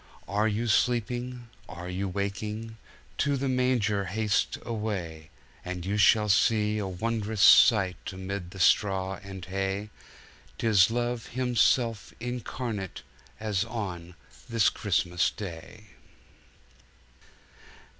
Are you sleeping, are you waking? To the Manger haste away, And you shall see a wond'rous sight Amid the straw and hay.— 'Tis Love Himself Incarnate As on this Christmas Day!